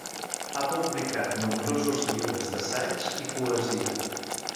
Ha publicat nombrosos llibres d’assaig i poesia.